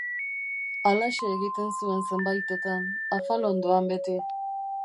Halaxe egiten zuen zenbaitetan, afal ondoan beti.